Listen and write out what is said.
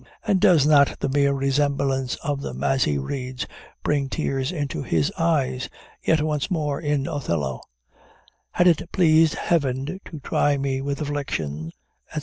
And does not the mere remembrance of them, as he reads, bring tears into his eyes? Yet, once more, in Othello, "Had it pleased Heaven To try me with affliction," &c.